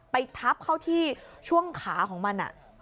ไปทับเข้าที่ช่วงขาของมัน